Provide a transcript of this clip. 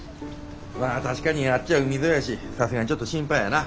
まあ確かにあっちは海沿いやしさすがにちょっと心配やな。